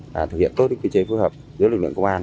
và thực hiện tốt quy chế phối hợp giữa lực lượng công an